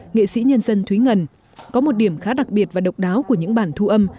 nghệ sĩ nhân dân thúy ngân có một điểm khá đặc biệt và độc đáo của những bản thu âm